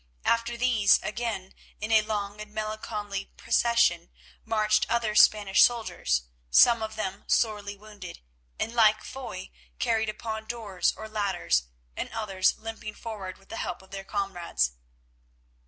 After these again, in a long and melancholy procession, marched other Spanish soldiers, some of them sorely wounded, and, like Foy, carried upon doors or ladders, and others limping forward with the help of their comrades.